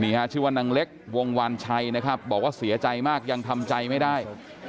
ชื่อว่านางเล็กวงวานชัยนะครับบอกว่าเสียใจมากยังทำใจไม่ได้